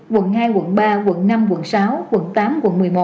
quận hai quận ba quận năm quận sáu quận tám quận một mươi một